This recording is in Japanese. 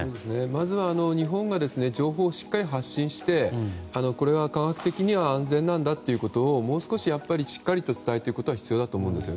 まずは日本が情報をしっかり発信してこれは科学的に安全なんだということをもう少ししっかり伝えていくことが必要だと思うんです。